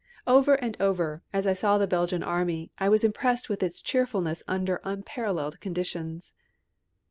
Over and over, as I saw the Belgian Army, I was impressed with its cheerfulness under unparalleled conditions.